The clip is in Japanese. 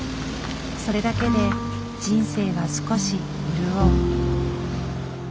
それだけで人生は少し潤う。